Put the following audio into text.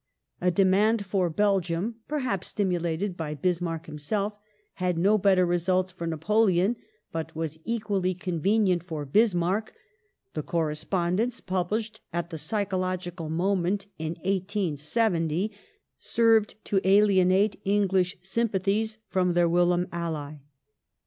A de mand for Belgium — perhaps stimulated by Bismarck himself — had no better results for Napoleon but was equally convenient for Bis marck. The correspondence, published at the psychological mo ment in 1870, served to alienate English sympathies from their whilom ally.